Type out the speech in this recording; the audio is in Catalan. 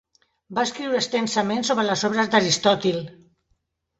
Va escriure extensament sobre les obres d'Aristòtil.